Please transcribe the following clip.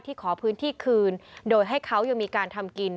ขอพื้นที่คืนโดยให้เขายังมีการทำกิน